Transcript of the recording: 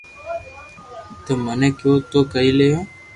تمي مني ڪيويو تو ڪري ليو